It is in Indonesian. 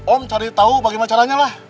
om cari tahu bagaimana caranya lah